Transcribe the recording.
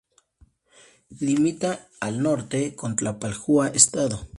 Limita al norte con Tlalpujahua, Edo.